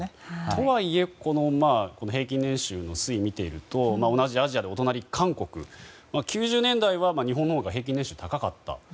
とはいえ平均年収の推移をみていると、同じアジアのお隣、韓国は９０年代は日本のほうが平均年収は高かった。